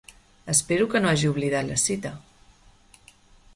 Espero que no hagi oblidat la cita.